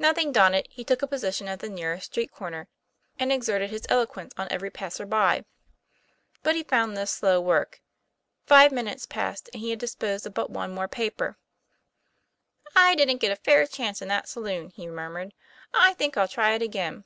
Nothing daunted, he took a position at the nearest street corner, and exerted his eloquence on every passer by. But he found this slow work. Five min utes passed, and he had disposed of but one more paper TOM PLA YFA IR. 139 'I didn't get a fair chance in that saloon," he murmured. "I think I'll try it again."